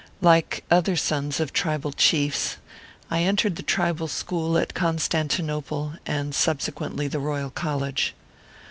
Like other sons of triba4 Chiefs, I entered the Tribal School at Constanti nople, and subsequently the Royal College.